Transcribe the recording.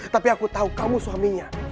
tapi aku tahu kamu suaminya